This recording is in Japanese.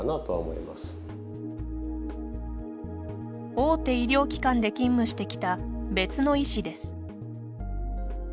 大手医療機関で勤務してきた別の医師です。